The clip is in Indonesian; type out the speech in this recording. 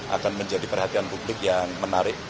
akan menjadi perhatian publik yang menarik